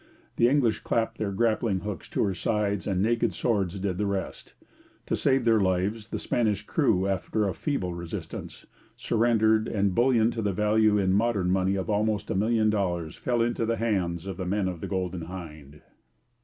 The English clapped their grappling hooks to her sides, and naked swords did the rest. To save their lives, the Spanish crew, after a feeble resistance, surrendered, and bullion to the value in modern money of almost a million dollars fell into the hands of the men of the Golden Hind.